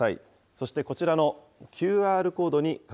そして、こちらのＱＲコードにか